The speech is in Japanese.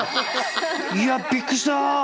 いやびっくりした。